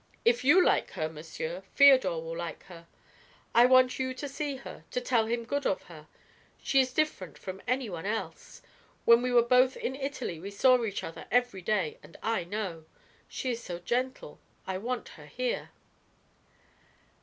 "If you like her, monsieur, Feodor will like her. I want you to see her, to tell him good of her. She is different from any one else when we were both in Italy we saw each other every day, and I know. She is so gentle; I want her here."